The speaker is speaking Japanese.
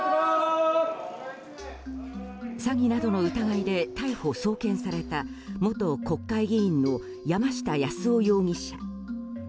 詐欺などの疑いで逮捕・送検された元国会議員の山下八洲夫容疑者。